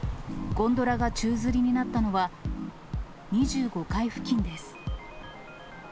ゴンドラが宙づりになったのは、２５階付近です。